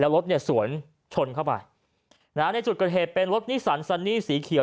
รถเนี่ยสวนชนเข้าไปนะฮะในจุดเกิดเหตุเป็นรถนิสันซันนี่สีเขียว